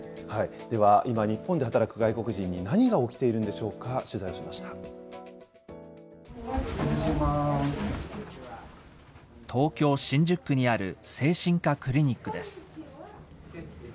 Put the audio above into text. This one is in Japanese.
では今、日本で働く外国人に何が起きているんでしょうか、取材し東京・新宿区にある精神科クリニックです。